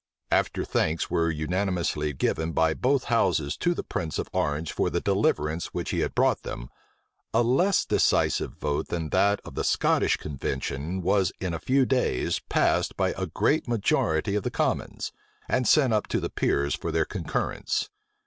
After thanks were unanimously given by both houses to the prince of Orange for the deliverance which he had brought them, a less decisive vote than that of the Scottish convention was in a few days passed by a great majority of the commons, and sent up to the peers for their concurrence.